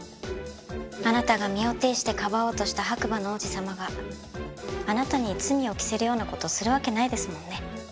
あなたが身を挺してかばおうとした白馬の王子様があなたに罪を着せるような事するわけないですもんね。